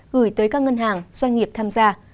gửi tới các ngân hàng doanh nghiệp tham gia